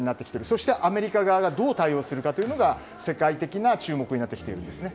そしてアメリカ側がどう対応するかというのが世界的な注目になってきているんですね。